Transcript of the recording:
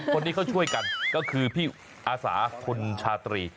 คนนี้เขาช่วยกันก็คือพี่อาสาคุณชาตรี